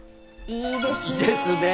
いいですねえ。